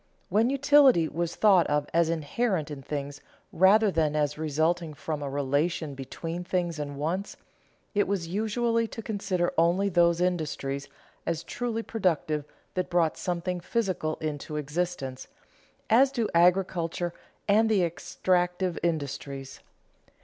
_ When utility was thought of as inherent in things rather than as resulting from a relation between things and wants, it was usual to consider only those industries as truly productive that brought something physical into existence, as do agriculture and the extractive industries.